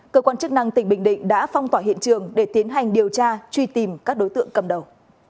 cơ quan chức năng tỉnh bình định đã phong tỏa hiện trường để tiến hành điều tra truy tìm các đối tượng cầm đầu